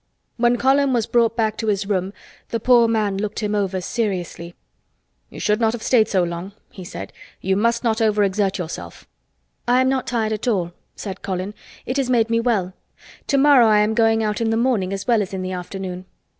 When Colin was brought back to his room the poor man looked him over seriously. "You should not have stayed so long," he said. "You must not overexert yourself." "I am not tired at all," said Colin. "It has made me well. Tomorrow I am going out in the morning as well as in the afternoon."